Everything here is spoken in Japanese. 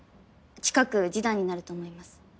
近く示談になると思います。